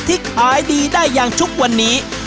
ที่ขายดีได้อย่างทุกวันนี้